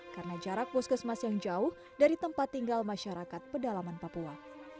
karena jarak puskesmas yang jauh dari tempat tinggal masyarakat pendalaman papua